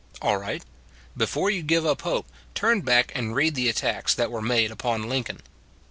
All right. Before you give up hope, turn back and read the attacks that were made upon Lincoln.